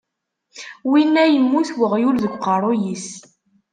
Winna yemmut uɣyul deg uqerruy-is.